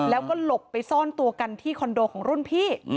แล้วก็หลบไปซ่อนตัวกันที่คอนโดของรุ่นพี่